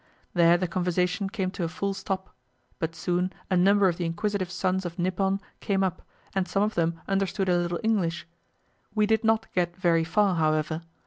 There the conversation came to a full stop, but soon a number of the inquisitive sons of Nippon came up, and some of them understood a little English. We did not get very far, however.